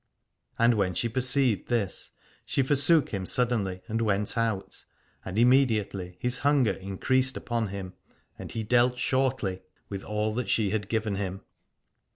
And when she perceived this she forsook him suddenly and went out : and immediately his hunger in creased upon him and he dealt shortly with 194 Aladore all that she had given him.